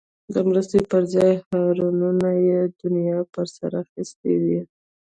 د مرستې پر ځای هارنونو یې دنیا په سر اخیستی وي.